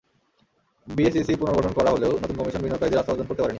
BSEC পুনর্গঠন করা হলেও নতুন কমিশন বিনিয়োগকারীদের আস্থা অর্জন করতে পারেনি।